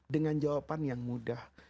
dengan jawaban yang mudah